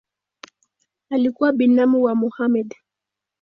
Alikuwa binamu wa Mohamed.